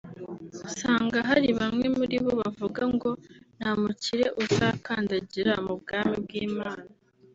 usanga hari bamwe muri bo bavuga ngo nta mukire uzakandagira mu bwami bw’Imana